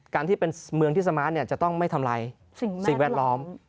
การที่เป็นเมืองที่สมาร์ทจะต้องไม่ทำลายสิ่งแวดล้อม